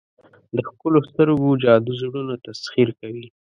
د ښکلو سترګو جادو زړونه تسخیر کوي.